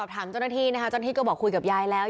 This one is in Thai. ถามเจ้าหน้าที่นะคะเจ้าหน้าที่ก็บอกคุยกับยายแล้ว